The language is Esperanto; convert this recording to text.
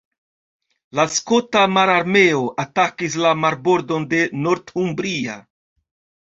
La skota mararmeo atakis la marbordon de Northumbria.